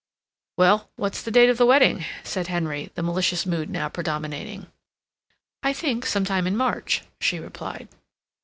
"Well, what's the date of the wedding?" said Henry, the malicious mood now predominating. "I think some time in March," she replied.